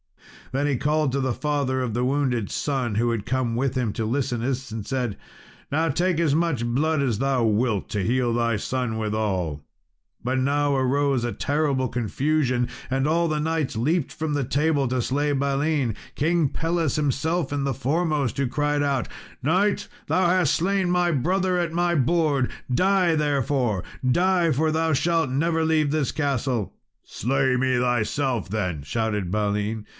Then he called to the father of the wounded son, who had come with him to Listeniss, and said, "Now take as much blood as thou wilt, to heal thy son withal." But now arose a terrible confusion, and all the knights leaped from the table to slay Balin, King Pelles himself the foremost, who cried out, "Knight, thou hast slain my brother at my board; die, therefore, die, for thou shalt never leave this castle." "Slay me, thyself, then," shouted Balin.